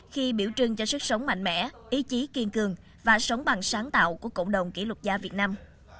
khi biểu trưng cho sức sống mạnh mẽ ý chí kiên cường và sống bằng sáng tạo của cộng đồng kỷ lục gia việt nam